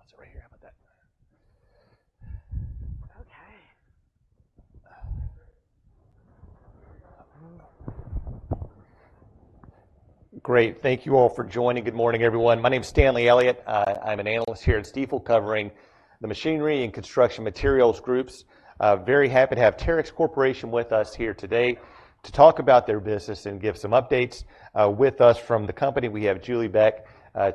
You can sit right here. No, sit right here. How about that? Okay. Great. Thank you all for joining. Good morning, everyone. My name is Stanley Elliott. I'm an analyst here at Stifel, covering the machinery and construction materials groups. Very happy to have Terex Corporation with us here today to talk about their business and give some updates. With us from the company, we have Julie Beck,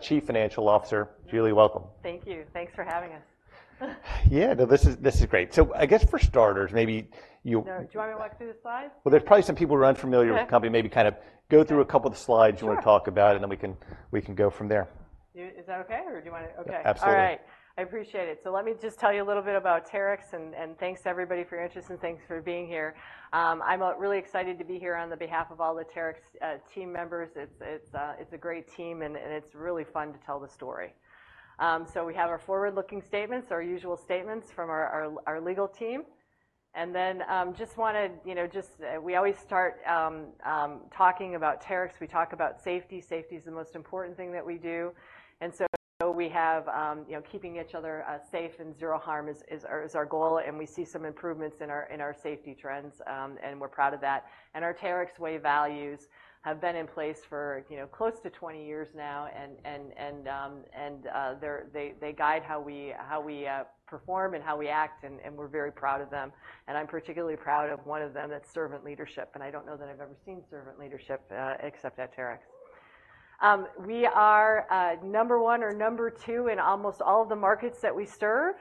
Chief Financial Officer. Julie, welcome. Thank you. Thanks for having us. Yeah, no, this is, this is great. So I guess for starters, maybe you- Do you want me to walk through the slides? Well, there's probably some people who are unfamiliar- Okay with the company. Maybe kind of go through a couple of the slides. Sure you wanna talk about, and then we can, we can go from there. Is that okay, or do you wanna... Okay. Absolutely. All right. I appreciate it. So let me just tell you a little bit about Terex, and thanks to everybody for your interest, and thanks for being here. I'm really excited to be here on behalf of all the Terex team members. It's a great team, and it's really fun to tell the story. So we have our forward-looking statements, our usual statements from our legal team, and then we always start talking about Terex. We talk about safety. Safety is the most important thing that we do, and so we have, you know, keeping each other safe and Zero Harm is our goal, and we see some improvements in our safety trends, and we're proud of that. Our Terex Way values have been in place for, you know, close to 20 years now, and they're they guide how we perform and how we act, and we're very proud of them. I'm particularly proud of one of them, that's servant leadership, and I don't know that I've ever seen servant leadership except at Terex. We are number one or number two in almost all of the markets that we serve,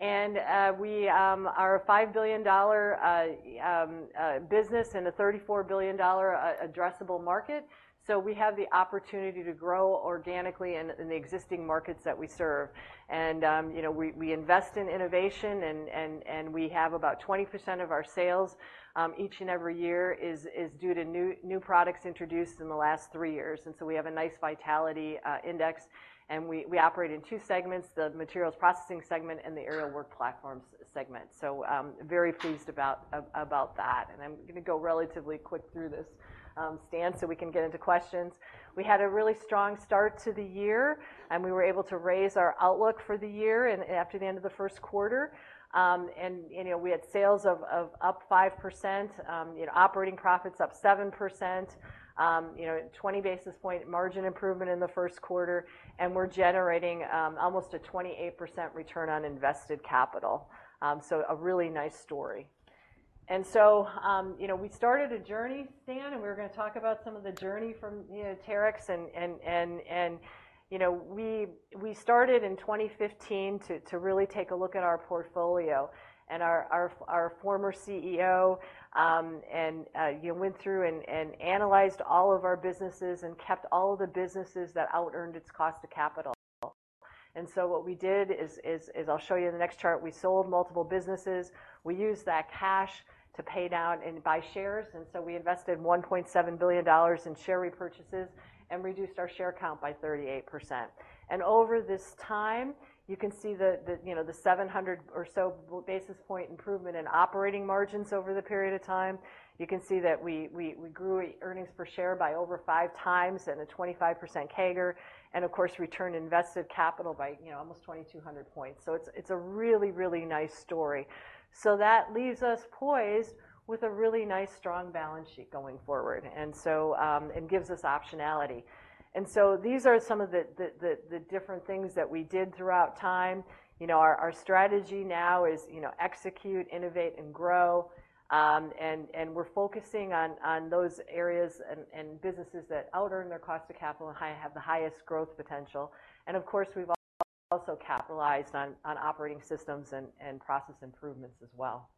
and we are a $5 billion business in a $34 billion addressable market. So we have the opportunity to grow organically in the existing markets that we serve. You know, we invest in innovation, and we have about 20% of our sales each and every year due to new products introduced in the last three years, and so we have a nice vitality index. We operate in two segments, the Materials Processing segment and the Aerial Work Platforms segment. So, very pleased about that. I'm gonna go relatively quick through this, Stan, so we can get into questions. We had a really strong start to the year, and we were able to raise our outlook for the year after the end of the first quarter. You know, we had sales up 5%, you know, operating profits up 7%, you know, 20 basis point margin improvement in the first quarter, and we're generating almost a 28% return on invested capital. So a really nice story. And so, you know, we started a journey, Stan, and we're gonna talk about some of the journey from, you know, Terex. And you know, we started in 2015 to really take a look at our portfolio and our former CEO, and you know, went through and analyzed all of our businesses and kept all of the businesses that outearned its cost to capital. And so what we did is... I'll show you in the next chart. We sold multiple businesses. We used that cash to pay down and buy shares, and so we invested $1.7 billion in share repurchases and reduced our share count by 38%. Over this time, you can see the, you know, the 700 or so basis point improvement in operating margins over the period of time. You can see that we grew earnings per share by over 5x at a 25% CAGR, and of course, return on invested capital by, you know, almost 2,200 points. So it's a really, really nice story. So that leaves us poised with a really nice, strong balance sheet going forward. And so it gives us optionality. And so these are some of the different things that we did throughout time. You know, our strategy now is, you know, execute, innovate, and grow. And we're focusing on those areas and businesses that outearn their cost of capital and have the highest growth potential. And of course, we've also capitalized on operating systems and process improvements as well.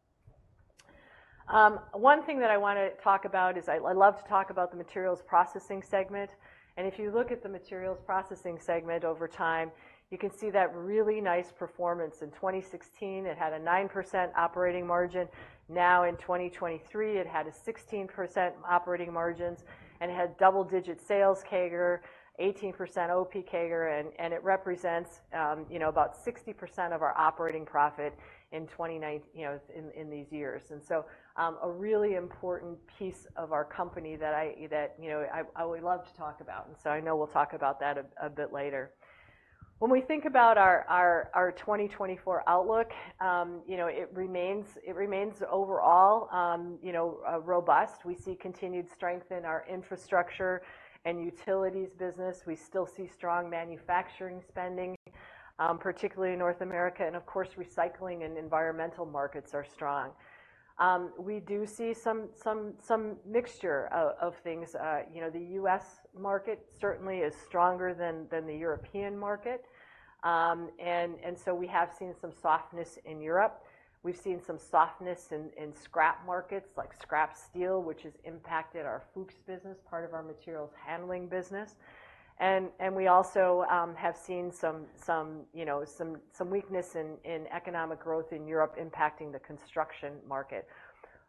One thing that I wanna talk about is I love to talk about the Materials Processing segment, and if you look at the Materials Processing segment over time, you can see that really nice performance. In 2016, it had a 9% operating margin. Now, in 2023, it had a 16% operating margins and had double-digit sales CAGR, 18% OP CAGR, and it represents, you know, about 60% of our operating profit in these years. And so, a really important piece of our company that I, you know, I would love to talk about, and so I know we'll talk about that a bit later. When we think about our 2024 outlook, you know, it remains overall robust. We see continued strength in our infrastructure and utilities business. We still see strong manufacturing spending, particularly in North America, and of course, recycling and environmental markets are strong. We do see some mixture of things. You know, the U.S. market certainly is stronger than the European market. And so we have seen some softness in Europe. We've seen some softness in scrap markets, like scrap steel, which has impacted our Fuchs business, part of our materials handling business. We also have seen some, you know, weakness in economic growth in Europe impacting the construction market.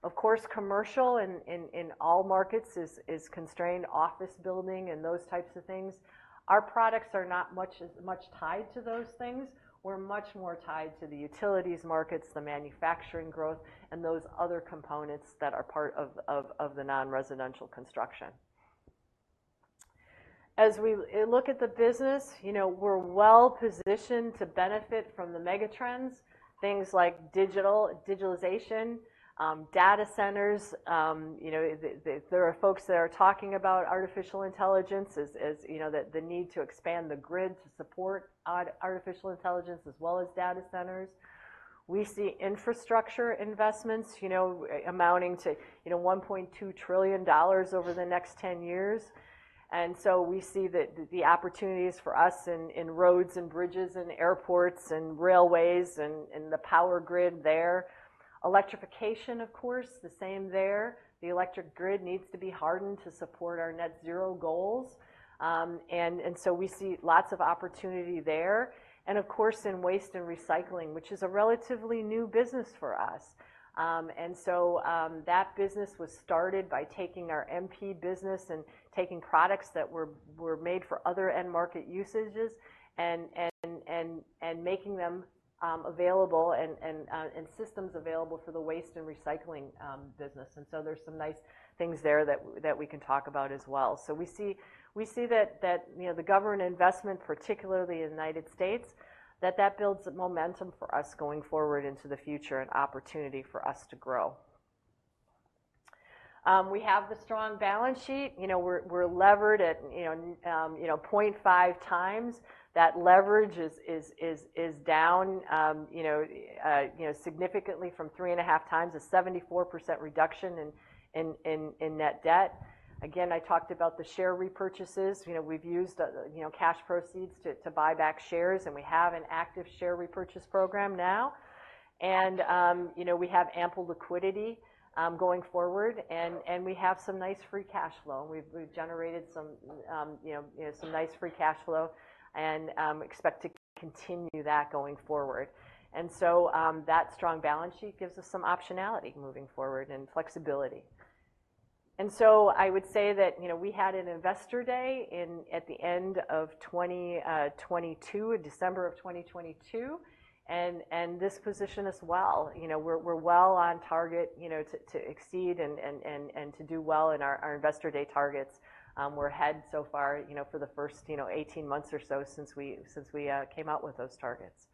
Of course, commercial in all markets is constrained, office building and those types of things. Our products are not much tied to those things. We're much more tied to the utilities markets, the manufacturing growth, and those other components that are part of the non-residential construction, as we look at the business, you know, we're well positioned to benefit from the mega trends, things like digital digitalization, data centers. You know, there are folks that are talking about artificial intelligence, as you know, the need to expand the grid to support artificial intelligence as well as data centers. We see infrastructure investments, you know, amounting to, you know, $1.2 trillion over the next 10 years. And so we see that the opportunities for us in roads, and bridges, and airports, and railways, and the power grid there. Electrification, of course, the same there. The electric grid needs to be hardened to support our net zero goals. And so we see lots of opportunity there, and of course, in Waste and Recycling, which is a relatively new business for us. And so that business was started by taking our MP business and taking products that were made for other end market usages and making them available and systems available Waste and Recycling business. and so there's some nice things there that we can talk about as well. So we see that, you know, the government investment, particularly in the United States, that that builds momentum for us going forward into the future and opportunity for us to grow. We have the strong balance sheet. You know, we're levered at, you know, 0.5x. That leverage is down, you know, significantly from 3.5x, a 74% reduction in net debt. Again, I talked about the share repurchases. You know, we've used, you know, cash proceeds to buy back shares, and we have an active share repurchase program now. And, you know, we have ample liquidity going forward, and we have some nice free cash flow. We've generated some nice free cash flow and expect to continue that going forward. And so that strong balance sheet gives us some optionality moving forward and flexibility. And so I would say that, you know, we had an Investor Day in at the end of 2022, December of 2022, and this positioned us well. You know, we're well on target, you know, to exceed and to do well in our Investor Day targets. We're ahead so far, you know, for the first 18 months or so since we came out with those targets.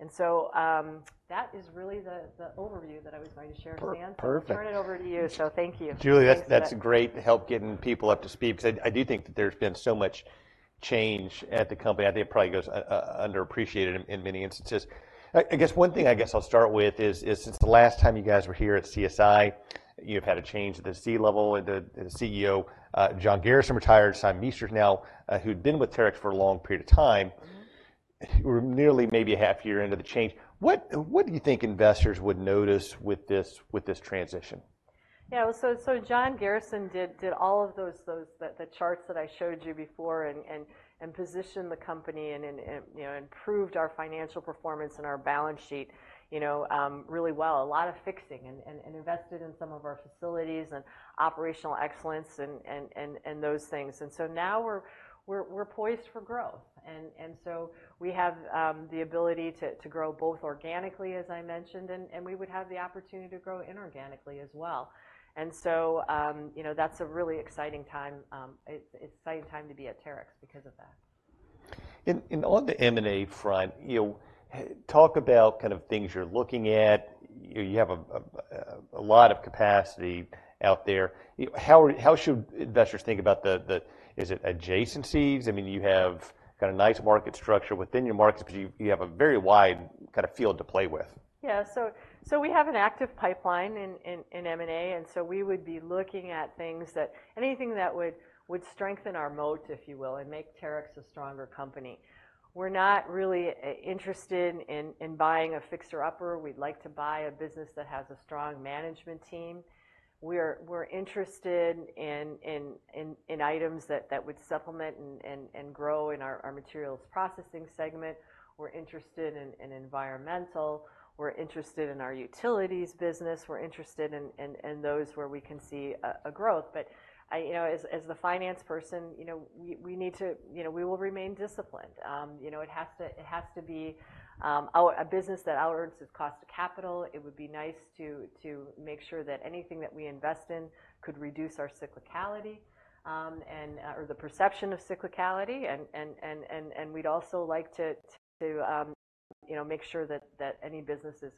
And so that is really the overview that I was going to share. Per- perfect. Stan, I turn it over to you. Thank you. Julie, Thanks, and. That's great help getting people up to speed, because I do think that there's been so much change at the company. I think it probably goes underappreciated in many instances. I guess one thing I'll start with is since the last time you guys were here at CSI, you've had a change at the C level, and the CEO, John Garrison, retired. Simon Meester now, who'd been with Terex for a long period of time- Mm-hmm.... we're nearly maybe a half year into the change. What, what do you think investors would notice with this, with this transition? Yeah, so John Garrison did all of those charts that I showed you before and positioned the company and, you know, improved our financial performance and our balance sheet, you know, really well, a lot of fixing and invested in some of our facilities and operational excellence and those things. So now we're poised for growth. And so we have the ability to grow both organically, as I mentioned, and we would have the opportunity to grow inorganically as well. So, you know, that's a really exciting time, exciting time to be at Terex because of that. And on the M&A front, you know, talk about kind of things you're looking at. You have a lot of capacity out there. How should investors think about the... Is it adjacencies? I mean, you have got a nice market structure within your markets because you have a very wide kind of field to play with. Yeah. So we have an active pipeline in M&A, and so we would be looking at things that, anything that would strengthen our moat, if you will, and make Terex a stronger company. We're not really interested in buying a fixer-upper. We'd like to buy a business that has a strong management team. We're interested in items that would supplement and grow in our Materials Processing segment. We're interested in environmental, we're interested in our utilities business, we're interested in those where we can see a growth. But, I... You know, as the finance person, you know, we need to, you know, we will remain disciplined. You know, it has to be our, a business that outearns its cost of capital. It would be nice to make sure that anything that we invest in could reduce our cyclicality, and or the perception of cyclicality. And we'd also like to you know make sure that any business is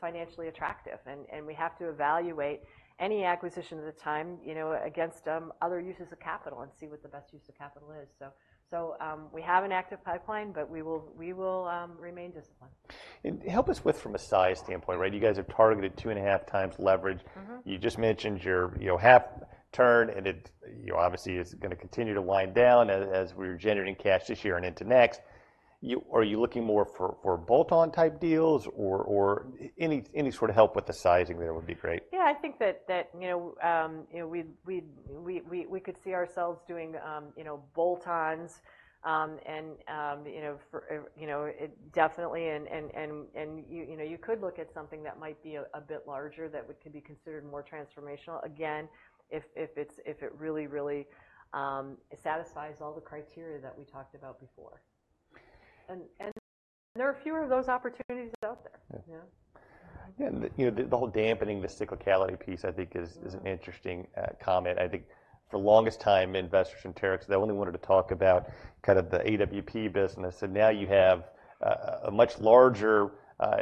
financially attractive. And we have to evaluate any acquisition at the time, you know, against other uses of capital and see what the best use of capital is. So we have an active pipeline, but we will remain disciplined. Help us with from a size standpoint, right? You guys have targeted 2.5x leverage. Mm-hmm. You just mentioned your, you know, half turn, and it, you know, obviously, is gonna continue to wind down as we're generating cash this year and into next. Are you looking more for bolt-on type deals or any sort of help with the sizing there would be great? Yeah, I think that, you know, we could see ourselves doing, you know, bolt-ons, and, you know, for it. Definitely, and you know, you could look at something that might be a bit larger that could be considered more transformational. Again, if it really satisfies all the criteria that we talked about before. And there are fewer of those opportunities out there. Yeah. Yeah.... And, you know, the whole dampening the cyclicality piece, I think is an interesting comment. I think for the longest time, investors in Terex, they only wanted to talk about kind of the AWP business, and now you have a much larger,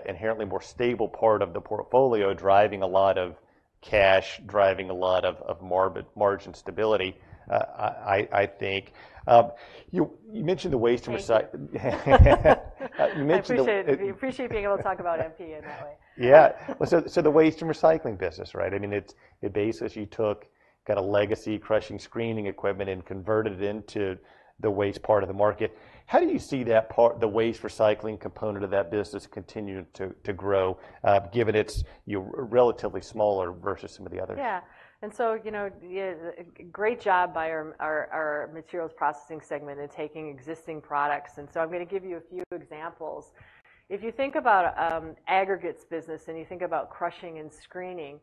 inherently more stable part of the portfolio driving a lot of cash, driving a lot of more robust margin stability. I think. You mentioned the Waste and Recycle- You mentioned the- I appreciate it. We appreciate being able to talk about MP in that way. Yeah. Well, so, Waste and Recycling business, right? i mean, it's the basis you took, got a legacy crushing screening equipment and converted it into the waste part of the market. How do you see that part, the waste recycling component of that business continue to, to grow, given it's, you're relatively smaller versus some of the others? Yeah. And so, you know, yeah, great job by our Materials Processing segment in taking existing products, and so I'm gonna give you a few examples. If you think about aggregates business, and you think about crushing and screening,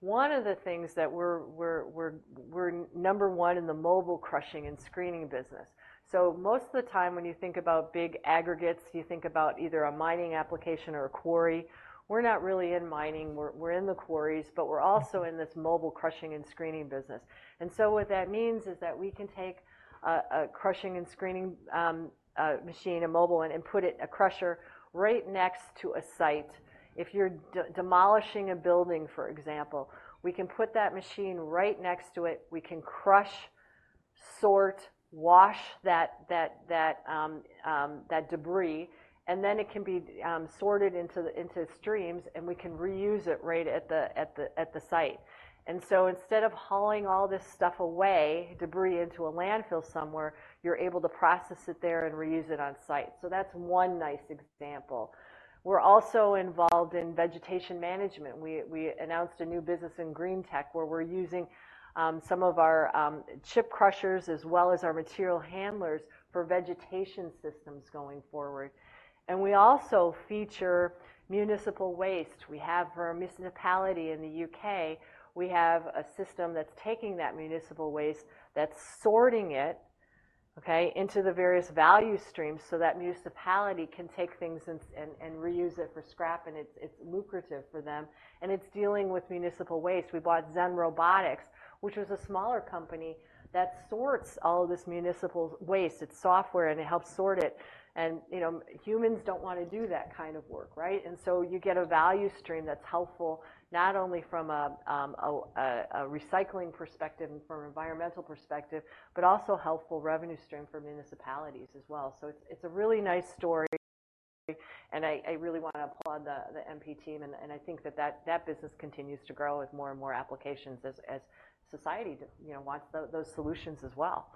one of the things that we're number one in the mobile crushing and screening business. So most of the time, when you think about big aggregates, you think about either a mining application or a quarry. We're not really in mining. We're in the quarries, but we're also in this mobile crushing and screening business. And so what that means is that we can take a crushing and screening machine, a mobile one, and put it, a crusher, right next to a site. If you're demolishing a building, for example, we can put that machine right next to it. We can crush, sort, wash that debris, and then it can be sorted into streams, and we can reuse it right at the site. So instead of hauling all this stuff away, debris into a landfill somewhere, you're able to process it there and reuse it on site. So that's one nice example. We're also involved in vegetation management. We announced a new business in Green-Tec, where we're using some of our chip crushers, as well as our material handlers for vegetation systems going forward. And we also feature municipal waste. We have for our municipality in the U.K., we have a system that's taking that municipal waste, that's sorting it, okay, into the various value streams, so that municipality can take things and reuse it for scrap, and it's lucrative for them, and it's dealing with municipal waste. We bought ZenRobotics, which was a smaller company that sorts all of this municipal waste. It's software, and it helps sort it. And, you know, humans don't wanna do that kind of work, right? And so you get a value stream that's helpful, not only from a recycling perspective and from an environmental perspective, but also helpful revenue stream for municipalities as well. So it's a really nice story, and I really wanna applaud the MP team, and I think that business continues to grow with more and more applications as society, you know, wants those solutions as well.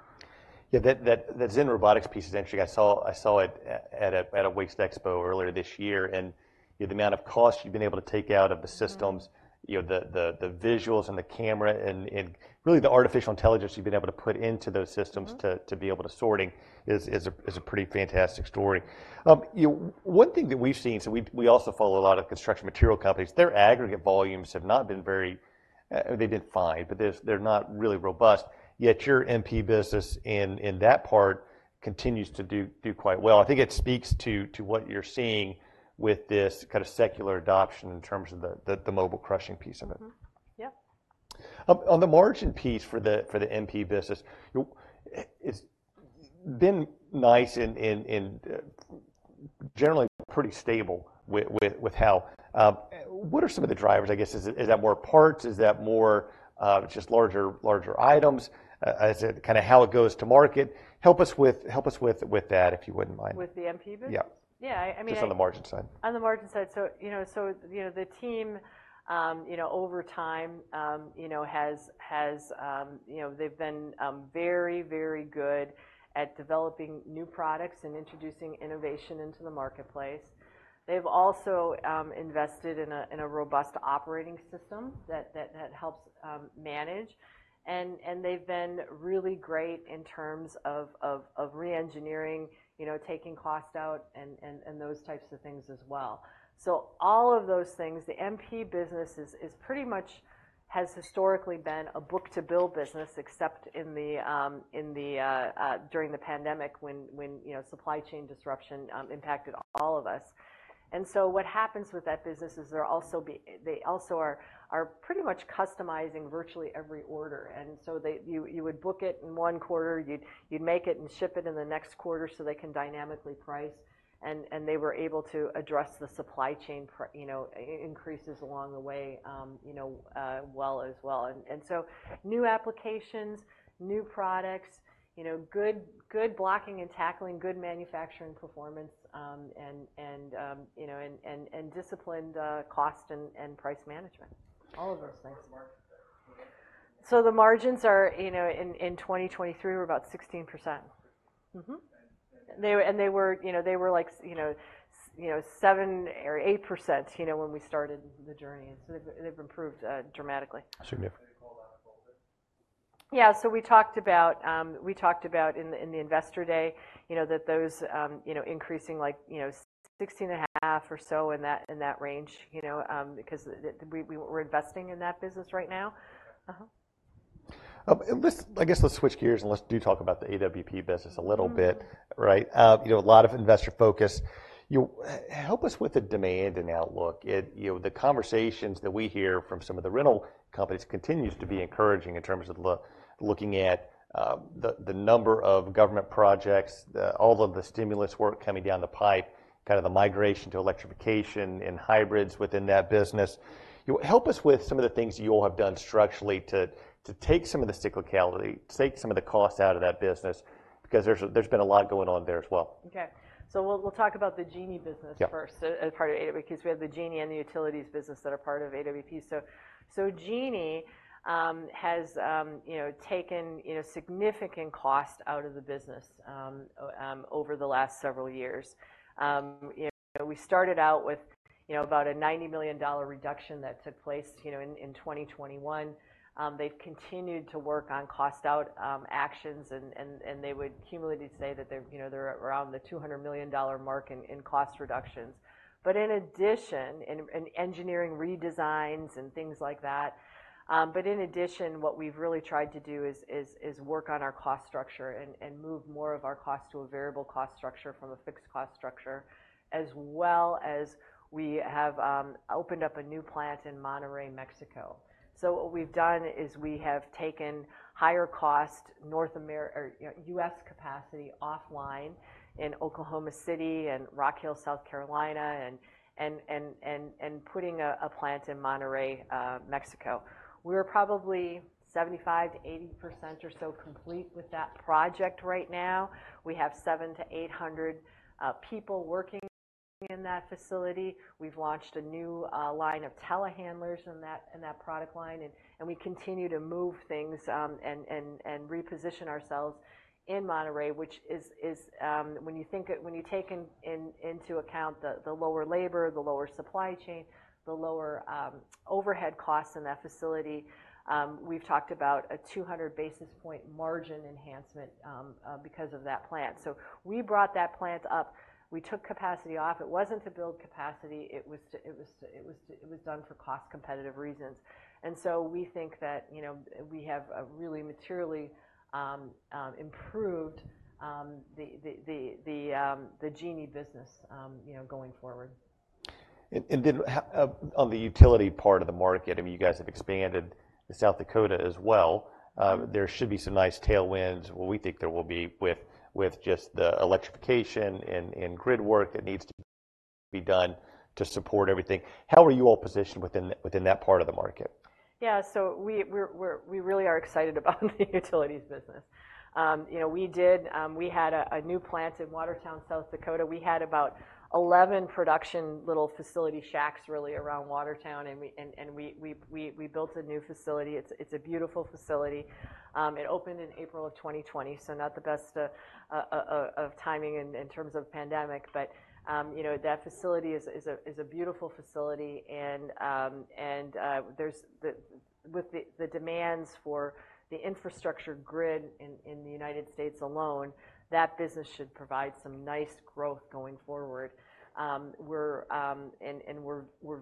Yeah, that the ZenRobotics piece, essentially, I saw it at a waste expo earlier this year, and, you know, the amount of cost you've been able to take out of the systems- Mm-hmm. You know, the visuals and the camera and really the artificial intelligence you've been able to put into those systems. Mm-hmm... to be able to sorting is a pretty fantastic story. You know, one thing that we've seen, so we also follow a lot of construction material companies. Their aggregate volumes have not been very, they did fine, but they're not really robust. Yet, your MP business in that part continues to do quite well. I think it speaks to what you're seeing with this kind of secular adoption in terms of the mobile crushing piece of it. Mm-hmm. Yep. On the margin piece for the MP business, it's been nice and generally pretty stable with how... What are some of the drivers, I guess? Is that more parts? Is that more just larger items? Is it kinda how it goes to market? Help us with that, if you wouldn't mind. With the MP business? Yeah. Yeah, I mean- Just on the margin side. On the margin side. So, you know, the team, you know, has, you know, they've been very, very good at developing new products and introducing innovation into the marketplace. They've also invested in a robust operating system that helps manage, and they've been really great in terms of re-engineering, you know, taking cost out and those types of things as well. So all of those things, the MP business pretty much has historically been a book to build business, except during the pandemic, when you know, supply chain disruption impacted all of us. And so what happens with that business is they also are pretty much customizing virtually every order. And so they. You would book it in one quarter, you'd make it and ship it in the next quarter, so they can dynamically price, and they were able to address the supply chain price you know, increases along the way, you know, well as well. And so new applications, new products, you know, good blocking and tackling, good manufacturing performance, and you know, and disciplined cost and price management. All of those things. What's the margin then? So the margins are, you know, in 2023 were about 16%. Mm-hmm. And they were, you know, they were like, you know, 7% or 8%, you know, when we started the journey. So they've improved dramatically. Significant. Can you call that a little bit? Yeah, so we talked about, we talked about in, in the Investor Day, you know, that those, you know, increasing like, you know, 16.5 or so in that, in that range, you know, because the, we, we're investing in that business right now. Uh-huh?... and let's, I guess, let's switch gears, and let's do talk about the AWP business a little bit. Mm-hmm. Right? You know, a lot of investor focus. You help us with the demand and outlook. It you know, the conversations that we hear from some of the rental companies continues to be encouraging in terms of looking at the number of government projects, all of the stimulus work coming down the pipe, kind of the migration to electrification and hybrids within that business. You know, help us with some of the things you all have done structurally to take some of the cyclicality, take some of the costs out of that business, because there's been a lot going on there as well. Okay. So we'll talk about the Genie business- Yeah... first, as part of AWP, 'cause we have the Genie and the utilities business that are part of AWP. So, Genie has, you know, taken, you know, significant cost out of the business over the last several years. You know, we started out with, you know, about a $90 million reduction that took place, you know, in 2021. They've continued to work on cost out actions, and they would cumulatively say that they're, you know, they're around the $200 million mark in cost reductions. But in addition, in engineering redesigns and things like that, but in addition, what we've really tried to do is work on our cost structure and move more of our cost to a variable cost structure from a fixed cost structure, as well as we have opened up a new plant in Monterrey, Mexico. So what we've done is we have taken higher cost North Amer- or, you know, US capacity offline in Oklahoma City and Rock Hill, South Carolina, and putting a plant in Monterrey, Mexico. We're probably 75%-80% or so complete with that project right now. We have 700-800 people working in that facility. We've launched a new line of telehandlers in that product line, and we continue to move things and reposition ourselves in Monterrey, which is when you take into account the lower labor, the lower supply chain, the lower overhead costs in that facility. We've talked about a 200 basis point margin enhancement because of that plant. So we brought that plant up. We took capacity off. It wasn't to build capacity, it was to... It was done for cost-competitive reasons. And so we think that, you know, we have really materially improved the Genie business, you know, going forward. And then, on the utility part of the market, I mean, you guys have expanded to South Dakota as well. Mm-hmm. There should be some nice tailwinds, well, we think there will be, with just the electrification and grid work that needs to be done to support everything. How are you all positioned within that part of the market? Yeah, so we're really excited about the utilities business. You know, we had a new plant in Watertown, South Dakota. We had about 11 production little facility shacks, really, around Watertown, and we built a new facility. It's a beautiful facility. It opened in April of 2020, so not the best of timing in terms of pandemic. But you know, that facility is a beautiful facility, and with the demands for the infrastructure grid in the United States alone, that business should provide some nice growth going forward. We're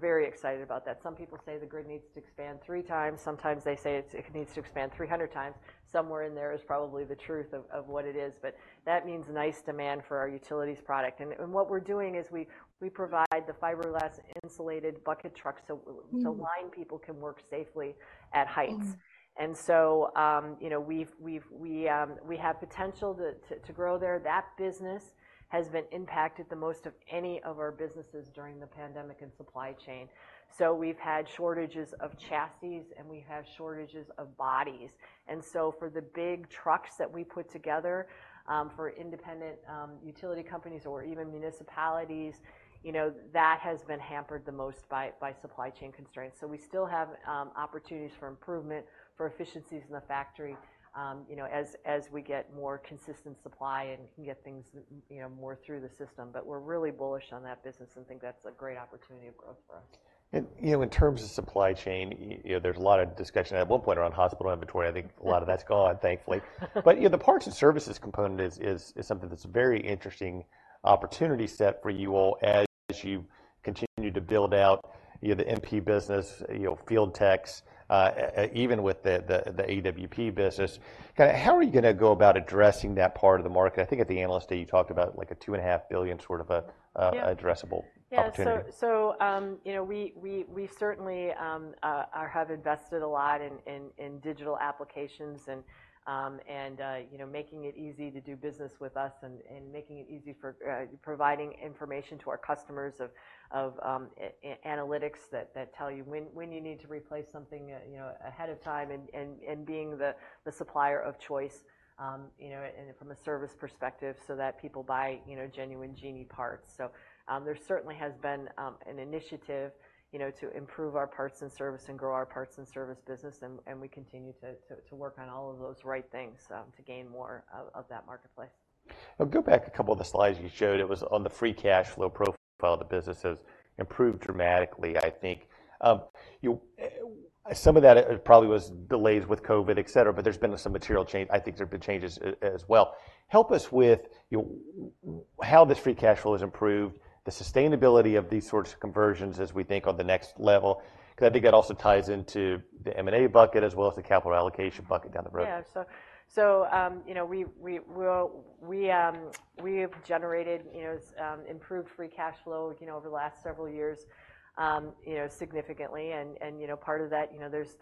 very excited about that. Some people say the grid needs to expand 3x. Sometimes they say it's, it needs to expand 300x. Somewhere in there is probably the truth of, of what it is, but that means nice demand for our utilities product. And, and what we're doing is we, we provide the fiberglass insulated bucket trucks, so- Mm-hmm... so line people can work safely at heights. Mm-hmm. And so, you know, we have potential to grow there. That business has been impacted the most of any of our businesses during the pandemic and supply chain. So we've had shortages of chassis, and we have shortages of bodies. And so for the big trucks that we put together, for independent utility companies or even municipalities, you know, that has been hampered the most by supply chain constraints. So we still have opportunities for improvement, for efficiencies in the factory, you know, as we get more consistent supply and can get things, you know, more through the system. But we're really bullish on that business and think that's a great opportunity of growth for us. You know, in terms of supply chain, you know, there's a lot of discussion at one point around hospital inventory. I think a lot of that's gone, thankfully. But, you know, the parts and services component is something that's very interesting opportunity set for you all as you continue to build out, you know, the MP business, you know, field techs, even with the AWP business. How are you gonna go about addressing that part of the market? I think at the Analyst Day, you talked about, like, a $2.5 billion sort of a Yeah... addressable opportunity. Yeah. So, you know, we certainly have invested a lot in digital applications and, you know, making it easy to do business with us and making it easy for providing information to our customers of analytics that tell you when you need to replace something, you know, ahead of time, and, and being the supplier of choice, you know, and from a service perspective, so that people buy, you know, genuine Genie parts. So, there certainly has been an initiative, you know, to improve our parts and service and grow our parts and service business. And we continue to work on all of those right things to gain more of that marketplace. Go back a couple of the slides you showed. It was on the free cash flow profile. The business has improved dramatically, I think. Some of that probably was delays with COVID, et cetera, but there's been some material change. I think there have been changes as well. Help us with, you know, how this free cash flow has improved, the sustainability of these sorts of conversions as we think on the next level, 'cause I think that also ties into the M&A bucket, as well as the capital allocation bucket down the road. Yeah, so, you know, we, well, we have generated, you know, improved free cash flow, you know, over the last several years, you know, significantly. And, you know, part of that, you know, there's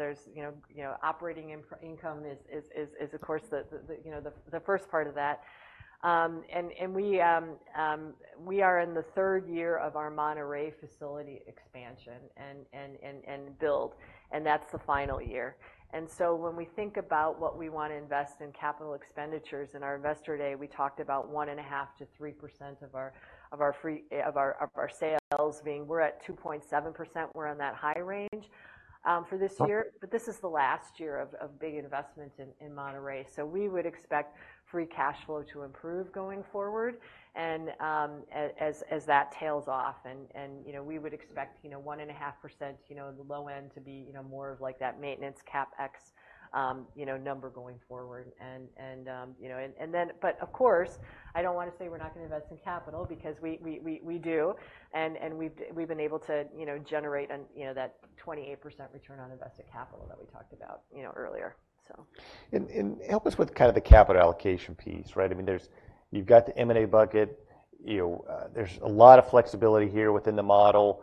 operating income is, of course, the first part of that. And we are in the third year of our Monterrey facility expansion and build, and that's the final year. And so when we think about what we wanna invest in capital expenditures, in our Investor Day, we talked about 1.5%-3% of our sales being. We're at 2.7%. We're on that high range for this year. But this is the last year of big investment in Monterrey. So we would expect free cash flow to improve going forward. And as that tails off, and you know, we would expect, you know, 1.5%, you know, the low end to be, you know, more of like that maintenance CapEx, you know, number going forward. And you know, and then, but of course, I don't wanna say we're not gonna invest in capital because we do, and we've been able to, you know, generate a, you know, that 28% return on invested capital that we talked about, you know, earlier, so. And help us with kind of the capital allocation piece, right? I mean, there's. You've got the M&A bucket. You know, there's a lot of flexibility here within the model.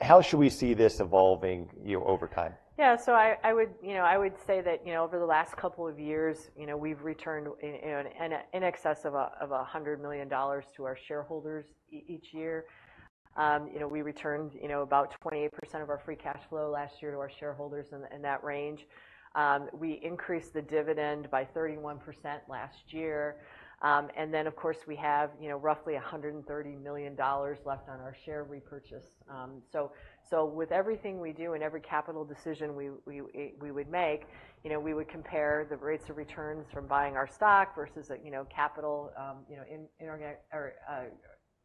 How should we see this evolving, you know, over time? Yeah, so I would, you know, I would say that, you know, over the last couple of years, you know, we've returned in excess of $100 million to our shareholders each year. You know, we returned, you know, about 28% of our free cash flow last year to our shareholders in that range. We increased the dividend by 31% last year. And then, of course, we have, you know, roughly $130 million left on our share repurchase. So, with everything we do and every capital decision we would make, you know, we would compare the rates of returns from buying our stock versus capital, you know, inorganic or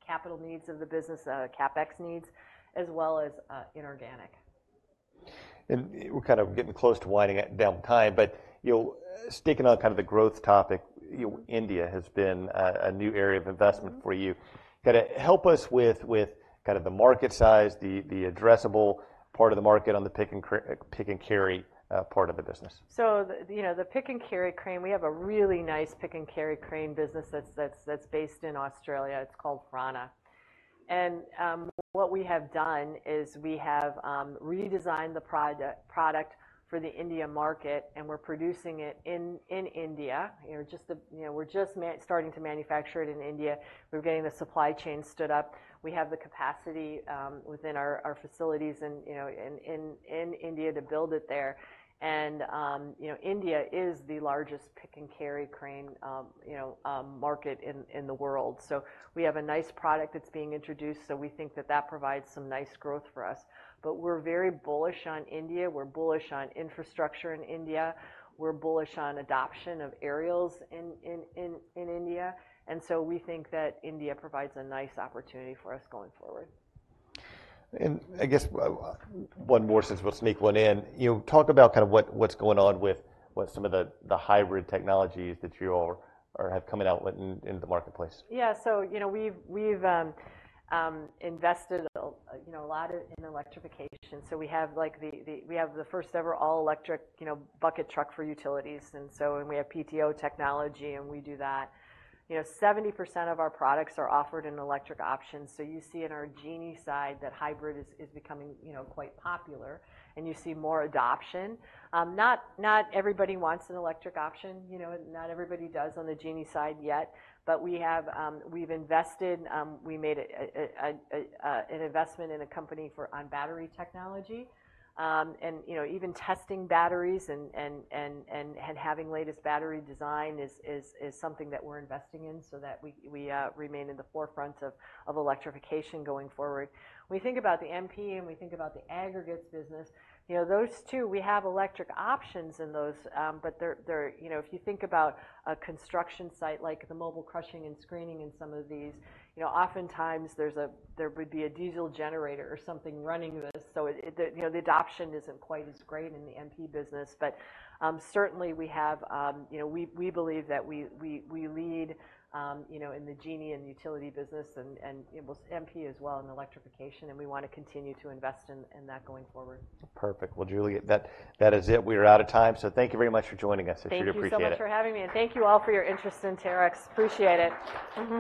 capital needs of the business, CapEx needs, as well as inorganic. We're kind of getting close to winding down time, but, you know, sticking on kind of the growth topic, you know, India has been a new area of investment- Mm-hmm... for you. Kinda help us with kind of the market size, the addressable part of the market on the pick-and-carry part of the business. So, you know, the pick and carry crane, we have a really nice pick and carry crane business that's based in Australia. It's called Franna. And what we have done is we have redesigned the product for the India market, and we're producing it in India. You know, we're just starting to manufacture it in India. We're getting the supply chain stood up. We have the capacity within our facilities and, you know, in India to build it there. And you know, India is the largest pick and carry crane market in the world. So we have a nice product that's being introduced, so we think that that provides some nice growth for us. But we're very bullish on India. We're bullish on infrastructure in India. We're bullish on adoption of aerials in India, and so we think that India provides a nice opportunity for us going forward. I guess one more, since we'll sneak one in. You know, talk about kind of what's going on with some of the hybrid technologies that you all have coming out in the marketplace. Yeah. So, you know, we've invested, you know, a lot in electrification. So we have like the first ever all electric, you know, bucket truck for utilities, and so. And we have PTO technology, and we do that. You know, 70% of our products are offered in electric options. So you see in our Genie side, that hybrid is becoming, you know, quite popular, and you see more adoption. Not everybody wants an electric option, you know. Not everybody does on the Genie side yet, but we have, we've invested, we made an investment in a company for on battery technology. And, you know, even testing batteries and having latest battery design is something that we're investing in so that we remain in the forefront of electrification going forward. We think about the MP, and we think about the aggregates business, you know, those two, we have electric options in those, but they're... You know, if you think about a construction site, like the mobile crushing and screening in some of these, you know, oftentimes there would be a diesel generator or something running this. So, you know, the adoption isn't quite as great in the MP business, but certainly we have, you know, we believe that we lead, you know, in the Genie and utility business and in MP as well in electrification, and we wanna continue to invest in that going forward. Perfect. Well, Julie, that is it. We are out of time, so thank you very much for joining us. Thank you so much. I sure appreciate it.... for having me, and thank you all for your interest in Terex. Appreciate it. Mm-hmm.